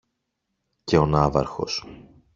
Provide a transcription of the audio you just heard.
Και ο ναύαρχος.